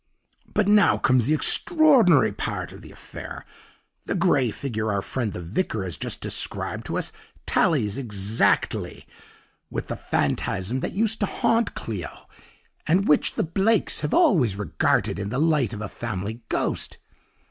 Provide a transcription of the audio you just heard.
"'But now comes the extraordinary part of the affair. The grey figure our friend the vicar has just described to us tallies exactly with the phantasm that used to haunt Kleogh, and which the Blakes have always regarded in the light of a family ghost.